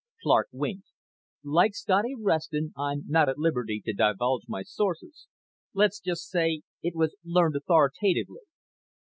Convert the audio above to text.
Clark winked. "Like Scotty Reston, I am not at liberty to divulge my sources. Let's just say it was learned authoritatively."